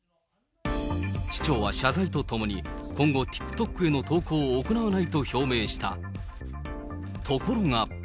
市長は謝罪とともに、今後、ＴｉｋＴｏｋへの投稿を行わないと表明した。